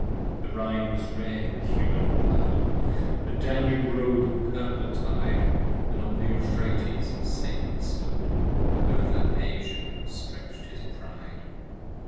The Rhine was red with human blood; The Danube roll'd a purple tide ; On the Euphrates Satan stood, 65 And over Asia stretch'd his pride.